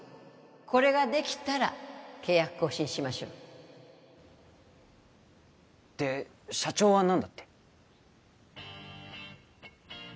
これができたら契約更新しましょうで社長は何だって？